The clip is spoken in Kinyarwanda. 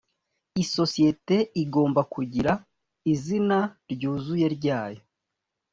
isosiyete igomba kugira izina ryuzuye ryayo